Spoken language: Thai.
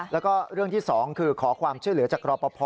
แล้วก็เรื่องที่๒คือขอความช่วยเหลือจากรอปภ